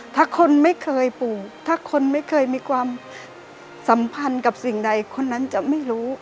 ถ้าคนไม่เคยปลูกถ้าคนไม่เคยมีความสัมพันธ์กับสิ่งใดคนนั้นจะไม่รู้